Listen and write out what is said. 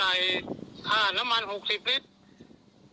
ค่าจะจ่ายค่าน้ำมัน๖๐ลิตร